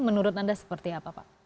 menurut anda seperti apa pak